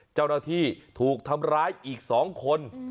เจ้าหน้าที่ถูกทำร้ายอีก๒คน